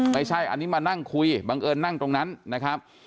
ไม่ใช่อันนี้มานั่งคุยบังเอิญนั่งตรงนั้นนะครับ